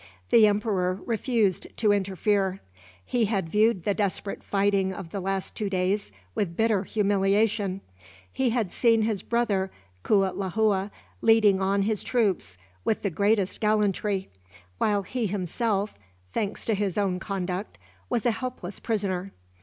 The emperor refused to interfere. He had viewed the desperate fighting of the last two days with bitter humiliation. He had seen his brother Cuitlahua leading on his troops, with the greatest gallantry; while he himself, thanks to his own conduct, was a helpless prisoner.